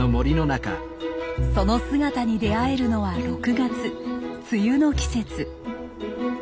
その姿に出会えるのは６月梅雨の季節。